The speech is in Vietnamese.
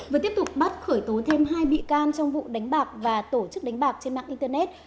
vừa tiếp tục bắt khởi tố thêm hai bị can trong vụ đánh bạc và tổ chức đánh bạc trên mạng internet